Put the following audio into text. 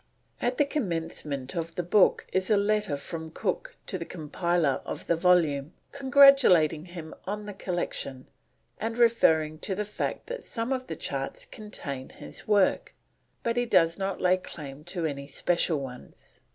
At the commencement of the book is a letter from Cook to the compiler of the volume, congratulating him on the collection, and referring to the fact that some of the charts contain his work, but he does not lay claim to any special ones.